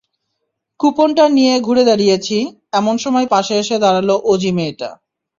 কুপনটা নিয়ে ঘুরে দাঁড়িয়েছি, এমন সময় পাশে এসে দাঁড়াল অজি মেয়েটা।